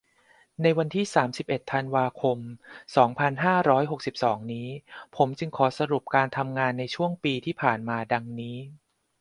ในวันที่ สามสิบเอ็ด ธันวาคม สองพันห้าร้อยหกสิบสอง นี้ ผมจึงขอสรุปการทำงานในช่วงปีที่ผ่านมาดังนี้